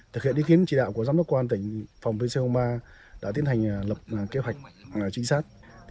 thực hiện ý kiến chỉ đạo của giám đốc quan tỉnh phòng pcoma đã tiến hành lập kế hoạch trinh sát